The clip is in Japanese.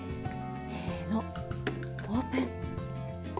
せーの、オープン。